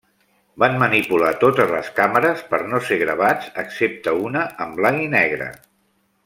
Van manipular totes les càmeres per no ser gravats, excepte una en blanc i negre.